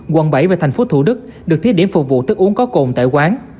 quần bảy về thành phố thủ đức được thiết điểm phục vụ tức uống có cồn tại quán